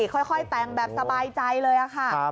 ค่อยแต่งแบบสบายใจเลยค่ะ